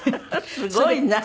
すごいな。